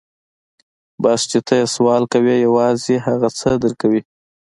بس چې ته يې سوال کوې يوازې هغه څه در کوي.